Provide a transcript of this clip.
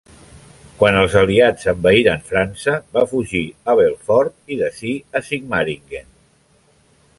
Quan els aliats envaïren França, va fugir a Belfort i d'ací a Sigmaringen.